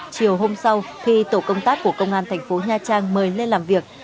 chiều hôm sau khi tổ công tác của công an thành phố nha trang mời lên làm việc